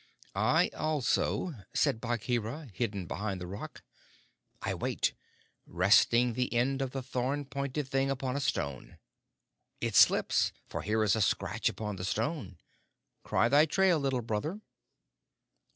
"I also," said Bagheera, hidden behind the rock. "I wait, resting the end of the thorn pointed thing upon a stone. It slips, for here is a scratch upon the stone. Cry thy trail, Little Brother."